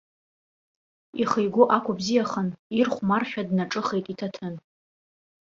Ихы игәы ақәыбзиахан, ирхәмаршәа днаҿыхеит иҭаҭын.